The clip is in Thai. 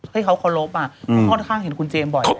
ให้เขาเคารพอ่ะอืมเขาพนวจคล้างเห็นคุณเจมส์บ่อยแล้ว